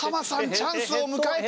チャンスを迎えた！